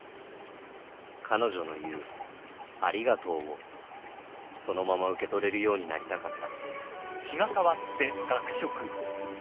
彼女の言うありがとうをそのまま受け取れるようになりたかった